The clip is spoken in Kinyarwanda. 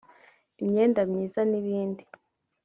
imyenda myiza n’ibindi